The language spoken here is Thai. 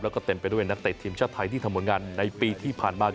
แล้วก็เต็มไปด้วยนักเตะทีมชาติไทยที่ทำผลงานในปีที่ผ่านมา